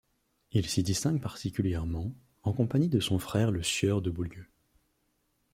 Il s'y distingue particulièrement, en compagnie de son frère le sieur de Beaulieu.